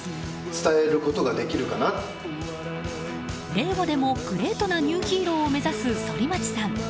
令和でも、グレートなニューヒーローを目指す反町さん。